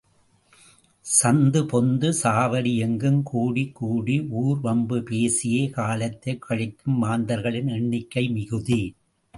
சந்து பொந்து, சாவடி எங்கும் கூடிக்கூடி ஊர் வம்பு பேசியே காலத்தைக் கழிக்கும் மாந்தர்களின் எண்ணிக்கை மிகுதி.